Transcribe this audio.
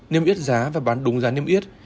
niêm yết giá và bán đúng giá niêm yết